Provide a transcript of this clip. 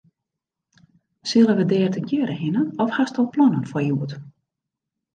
Sille we dêr tegearre hinne of hast al plannen foar hjoed?